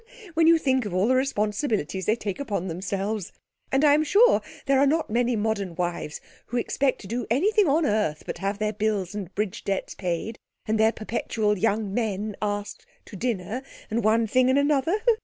When you think of all the responsibilities they take upon themselves! and I'm sure there are not many modern wives who expect to do anything on earth but have their bills and bridge debts paid, and their perpetual young men asked to dinner, and one thing and another.